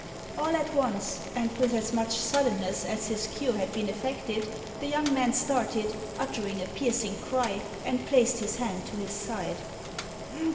All at once, and with as much suddenness as his cure had been effected, the young man started, uttering a piercing cry, and placed his hand to his side.